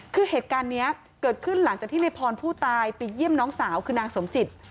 คือเหตุการณ์นี้เกิดขึ้นหลังจากที่ในพรผู้ตายไปเยี่ยมน้องสาวคือนางสมจิต